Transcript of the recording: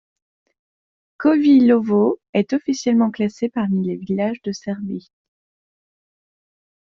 Kovilovo est officiellement classé parmi les villages de Serbie.